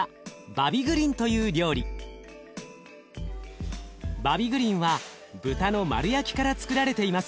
バビグリンは豚の丸焼きからつくられています。